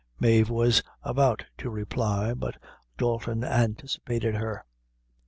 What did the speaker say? Mave was about to reply, but Dalton anticipated her.